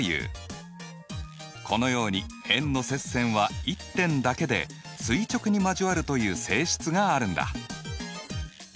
このように円の接線は１点だけで垂直に交わるという性質があるんだ。